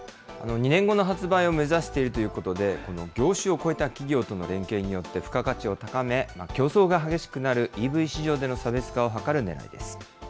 ２年後の発売を目指しているということで、業種を超えた企業との連携によって付加価値を高め、競争が激しくなるＥＶ市場での差別化を図るねらいです。